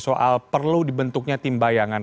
soal perlu dibentuknya tim bayangan